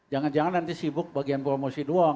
jangan jangan nanti sibuk bagian promosi dua